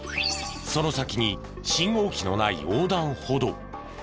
その先に信号機のない横断歩道。